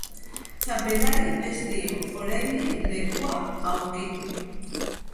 Txapelari ez dio, oraindik, lekua aurkitu.